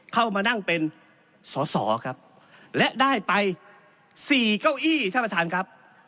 เข้ามานั่งเป็นสอสอครับและได้ไปสี่เก้าอี้ท่านประธานครับ